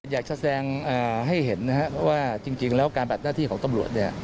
อยากจะแสงให้เห็นว่าจริงแล้วการแบบหน้าที่ของตำรวจ